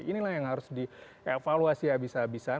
inilah yang harus dievaluasi habis habisan